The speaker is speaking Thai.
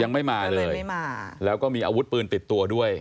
ยังไม่มาเลยไม่มาแล้วก็มีอาวุธปืนติดตัวด้วย